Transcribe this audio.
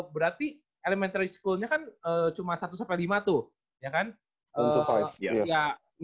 berarti sekolah putar itu kan cuma satu lima